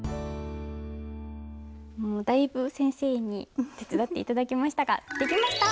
もうだいぶ先生に手伝って頂きましたができました！